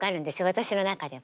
私の中では。